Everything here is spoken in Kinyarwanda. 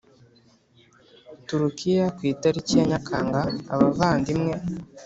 Turukiya Ku itariki ya Nyakanga abavandimwe